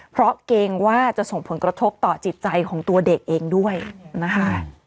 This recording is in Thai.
เพราะเกรงว่าจะส่งผลกระทบต่อจิตใจของตัวเด็กเองด้วยนะคะ